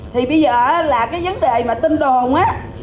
thì bây giờ là cái vấn đề mà tin đồn á